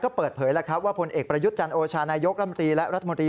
ก็เปิดเผยแล้วครับว่าผลเอกประยุทธ์จันโอชานายกรมตรีและรัฐมนตรี